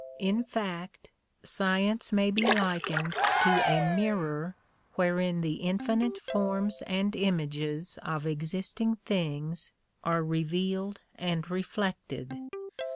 In fact, science may be likened to a mirror wherein the infinite forms and images of existing things are revealed and reflected.